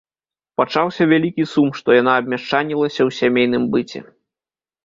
Пачаўся вялікі сум, што яна абмяшчанілася ў сямейным быце.